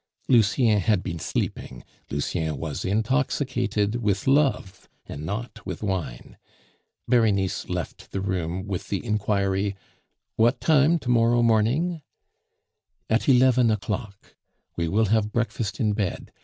Lucien had been sleeping; Lucien was intoxicated with love, and not with wine. Berenice left the room with the inquiry, "What time to morrow morning?" "At eleven o'clock. We will have breakfast in bed.